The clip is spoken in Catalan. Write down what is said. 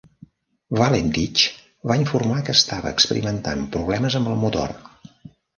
Valentich va informar que estava experimentant problemes amb el motor.